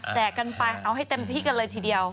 กันไปเอาให้เต็มที่กันเลยทีเดียว